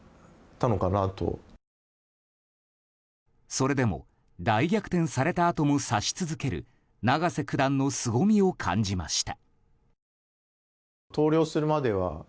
それでも大逆転されたあとも指し続ける永瀬九段の凄みを感じました。